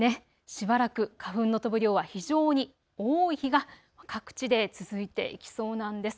しばらく花粉の飛ぶ量は非常に多い日が各地で続いていきそうなんです。